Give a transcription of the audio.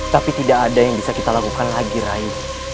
tapi tidak ada yang bisa kita lakukan lagi rai